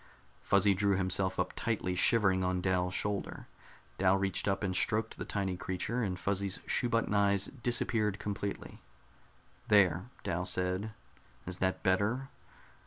Fuzzy drew himself up tightly, shivering on Dal's shoulder. Dal reached up and stroked the tiny creature, and Fuzzy's shoe button eyes disappeared completely. "There," Dal said. "Is that better?"